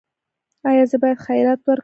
ایا زه باید خیرات ورکړم؟